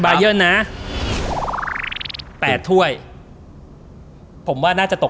บาเยิิันนะ